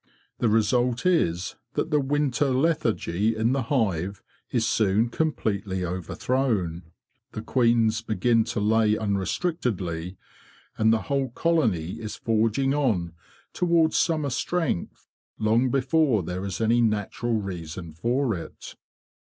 The result is that the winter lethargy in the hive is soon completely overthrown, the queens begin to lay unrestrictedly, and the whole colony is forging on towards summer strength long before there is any natural reason for it.